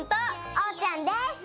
おーちゃんです。